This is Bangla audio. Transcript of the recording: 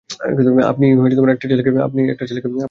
আপনি একটা ছেলেকে মেরেছেন?